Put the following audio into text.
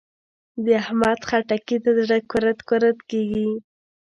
د احمد؛ خټکي ته زړه کورت کورت کېږي.